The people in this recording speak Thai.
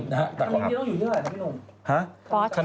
คันนี้ต้องอยู่เยอะเลยนะพี่หนุ่ม